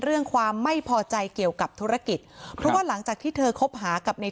เรื่องความไม่พอใจเกี่ยวกับธุรกิจเพราะว่าหลังจากที่เธอคบหากับใน